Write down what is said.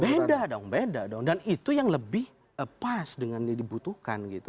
beda dong beda dong dan itu yang lebih pas dengan yang dibutuhkan gitu